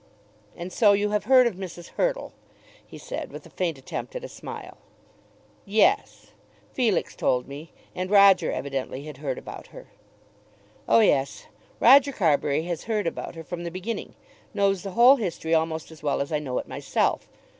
"And so you have heard of Mrs. Hurtle," he said, with a faint attempt at a smile. "Yes; Felix told me, and Roger evidently had heard about her." "Oh yes; Roger Carbury has heard about her from the beginning; knows the whole history almost as well as I know it myself.